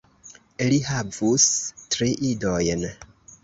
Li havus tri idojn.